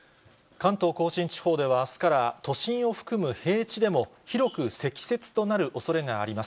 関東甲信地方では、あすから、都心を含む平地でも、広く積雪となるおそれがあります。